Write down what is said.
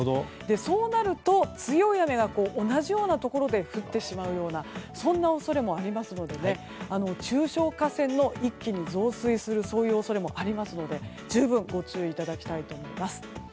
そうなると強い雨が同じようなところで降ってしまうようなそんな恐れもありますので中小河川も一気に増水する恐れもありますので十分ご注意いただきたいと思います。